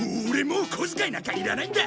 もう小遣いなんかいらないんだ。